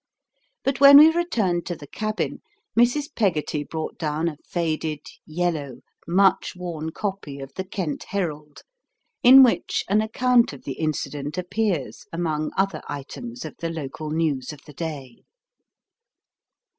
But when we returned to the cabin, Mrs. Peggotty brought down a faded, yellow, much worn copy of the Kent Herald, in which an account of the incident appears among other items of the local news of the day.